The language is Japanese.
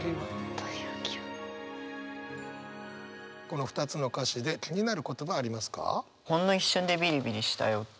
この２つの歌詞で気になる言葉ありますか？